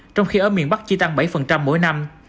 trong khi ở miền bắc chỉ tăng bảy mỗi năm